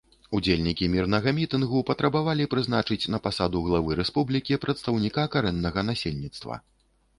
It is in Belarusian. Удзельнікі мірнага мітынгу патрабавалі прызначыць на пасаду главы рэспублікі прадстаўніка карэннага насельніцтва.